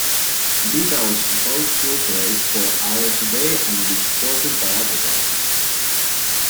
Beta was supposed to operate four hours a day and be supported by advertising.